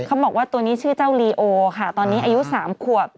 เขาบอกว่าตัวนี้ชื่อเจ้าลีโอค่ะตอนนี้อายุ๓ขวบ